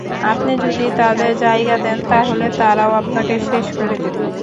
আপনি যদি তাদের জায়গা দেন, তাহলে তারাও আপনাকে শেষ করে দেবে।